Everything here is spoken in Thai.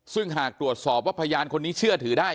ซึ่งหากตรวจสอบว่าพยานคนนี้เชื่อถือได้